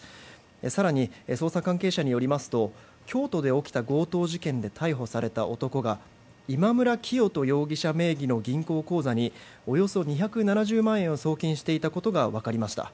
更に捜査関係者によりますと京都で起きた強盗事件で逮捕された男がイマムラキヨト容疑者名義の銀行口座におよそ２７０万円を送金していたことが分かりました。